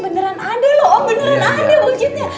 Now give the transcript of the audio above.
beneran ada loh om beneran ada wujudnya